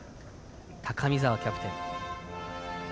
高見澤キャプテン。